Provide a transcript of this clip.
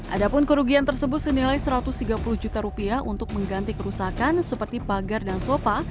ada pun kerugian tersebut senilai satu ratus tiga puluh juta rupiah untuk mengganti kerusakan seperti pagar dan sofa